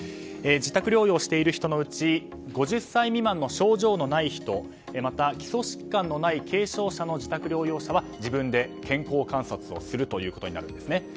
自宅療養している人のうち５０歳未満の症状のない人また、基礎疾患のない軽症者の自宅療養者は自分で健康観察をするということになるんです。